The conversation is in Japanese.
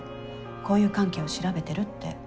交友関係を調べてるって。